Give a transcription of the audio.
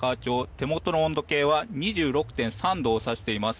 手元の温度計は２６．３度を指しています。